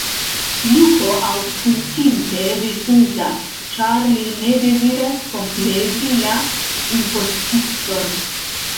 Luko, aŭskultinte, rifuzas, ĉar li ne deziras komplezi la impostiston.